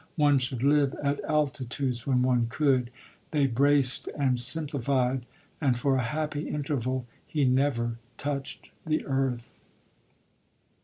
One should live at altitudes when one could they braced and simplified; and for a happy interval he never touched the earth.